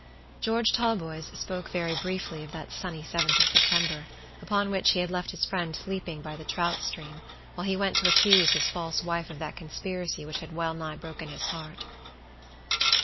George Talboys spoke very briefly of that sunny seventh of September, upon which he had left his friend sleeping by the trout stream while he went to accuse his false wife of that conspiracy which had well nigh broken his heart.